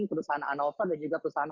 perusahaan hanover dan juga perusahaan